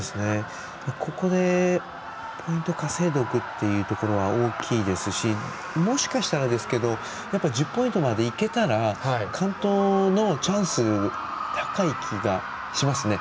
ここでポイントを稼いでいくところは多いですしもしかしたら１０ポイントまで完登のチャンス高い気がしますよね。